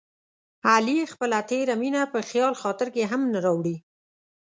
علي خپله تېره مینه په خیال خاطر کې هم نه راوړي.